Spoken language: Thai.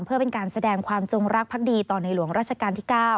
เพื่อเป็นการแสดงความจงรักภักดีต่อในหลวงราชการที่๙